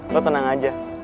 lo tenang aja